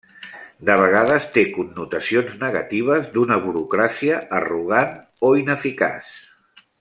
De vegades té connotacions negatives d'una burocràcia arrogant o ineficaç.